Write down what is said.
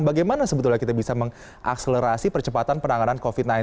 bagaimana sebetulnya kita bisa mengakselerasi percepatan penanganan covid sembilan belas